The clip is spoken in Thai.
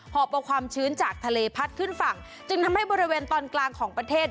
อบเอาความชื้นจากทะเลพัดขึ้นฝั่งจึงทำให้บริเวณตอนกลางของประเทศ